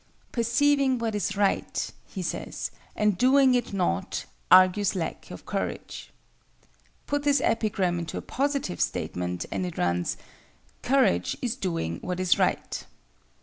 "Perceiving what is right," he says, "and doing it not, argues lack of courage." Put this epigram into a positive statement, and it runs, "Courage is doing what is right."